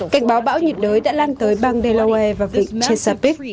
cảnh báo bão nhiệt đới đã lan tới bang delaware và vịnh chesapic